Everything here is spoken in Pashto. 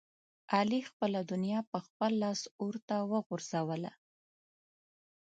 علي خپله دنیا په خپل لاس اورته وغورځوله.